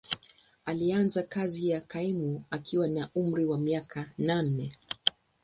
Alianza kazi ya kaimu akiwa na umri wa miaka nane.